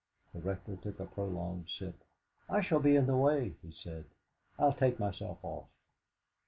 The Rector took a prolonged sip. "I shall be in the way," he said. "I'll take myself off'."